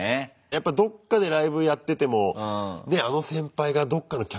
やっぱどっかでライブやっててもねあの先輩がどっかの客席で見てんだな。